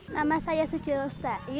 nama saya suci rostai